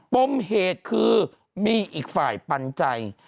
ปมเหตุคือมีอีกฝ่ายปันใจ